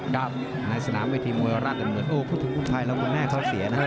ดำในสนามเวทีมวยราศน์กันเมือง